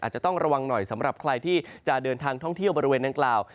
อาจจะต้องระวังหน่อยสำหรับใครที่จะเดินทางท่องเที่ยวบริเวณดังกล่าว